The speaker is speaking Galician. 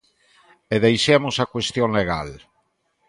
E deixemos a cuestión legal.